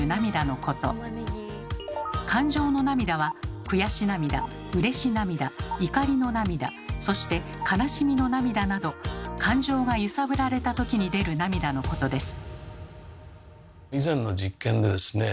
「感情の涙」は悔し涙うれし涙怒りの涙そして悲しみの涙など感情が揺さぶられたときに出る涙のことです。